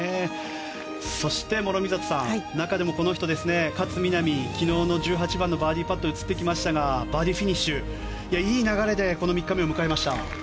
そして諸見里さん中でも勝みなみ、昨日の１８番のバーディーパットが映ってきましたがバーディーフィニッシュいい流れで３日目を迎えました。